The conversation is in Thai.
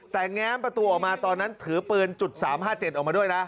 แต่แง้มประตูออกมาตอนนั้นถือปืนจุด๓๕๗ออกมาด้วยนะ